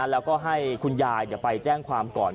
แล้วก็ให้คุณยายไปแจ้งความก่อน